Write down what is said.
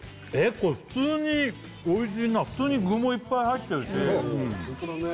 これ普通においしいな普通に具もいっぱい入ってるしうんおいしいホントだね